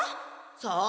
さあ？